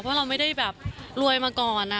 เพราะเราไม่ได้แบบรวยมาก่อนนะ